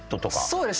そうです。